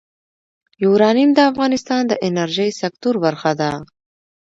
یورانیم د افغانستان د انرژۍ سکتور برخه ده.